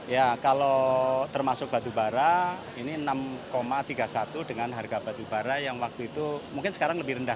ya kalau termasuk batu bara ini enam tiga puluh satu dengan harga batubara yang waktu itu mungkin sekarang lebih rendah